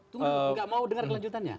tunggu nggak mau dengar kelanjutannya